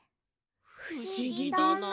ふしぎだな。